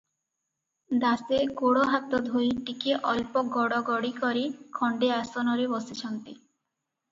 ଦାସେ ଗୋଡ଼ ହାତ ଧୋଇ ଟିକିଏ ଅଳ୍ପ ଗଡ଼ ଗଡ଼ି କରି ଖଣ୍ଡେ ଆସନରେ ବସିଛନ୍ତି ।